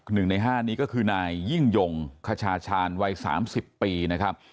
หนึ่งในห้านี้ก็คือนายยิ่งยงคชาชาญวัย๓๐ปีนะครับ